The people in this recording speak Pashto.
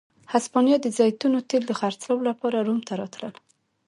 هسپانیا د زیتونو تېل د خرڅلاو لپاره روم ته راتلل.